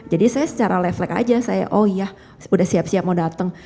jadi saya secara leflek aja saya oh iya udah siap siap mau datang